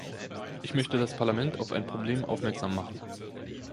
Ich möchte das Parlament auf ein Problem aufmerksam machen.